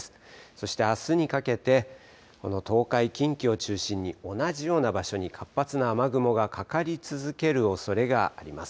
そしてあすにかけて、この東海、近畿を中心に同じような場所に活発な雨雲がかかり続けるおそれがあります。